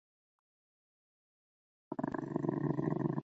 乡试第四。